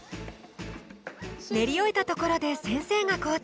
練り終えたところで先生が交代。